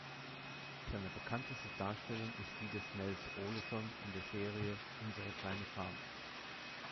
Seine bekannteste Darstellung ist die des Nels Oleson in der Serie "Unsere kleine Farm".